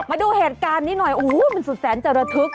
มาดูเหตุการณ์นี้หน่อยโอ้โหมันสุดแสนจะระทึก